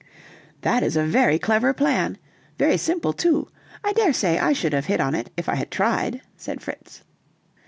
"That is a very clever plan: very simple too. I daresay I should have hit on it, if I had tried," said Fritz.